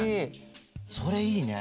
それいいね！